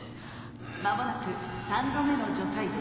「間もなく３度目の除細動。